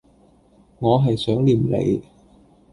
我係想念你